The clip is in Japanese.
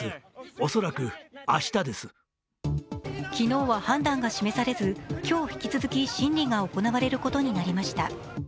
昨日は判断が示されず、今日、引き続き審理が行われることになりました。